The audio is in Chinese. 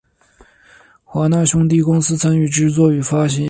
华纳兄弟公司参与制作与发行。